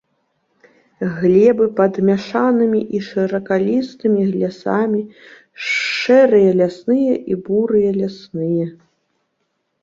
Глебы пад мяшанымі і шыракалістымі лясамі шэрыя лясныя і бурыя лясныя.